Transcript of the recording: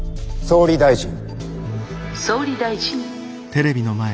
「総理大臣」。